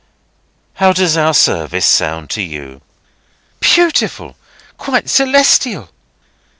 How does our service sound to you?" "Beautiful! Quite celestial!"